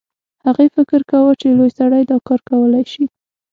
هغې فکر کاوه چې لوی سړی دا کار کولی شي